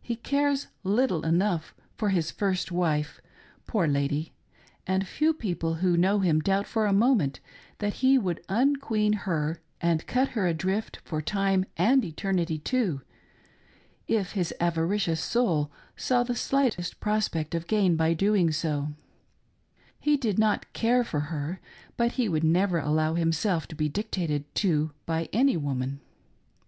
He cares little enough for his iirst wife, poor lady, and few people who know him doubt for a moment that he would un queen her and cut her adrift for time and eternity too, if his avaricious soul saw the slightest prospect of gain by doing so — he did not care for her, but he never would allow himself to be dictated to by any woman.